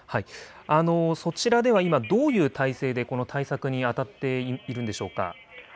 そちらでは今、どういう体制でこの対策に当たっているんでしょうか。